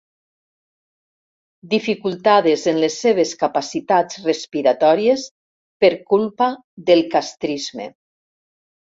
Dificultades en les seves capacitats respiratòries per culpa del castrisme.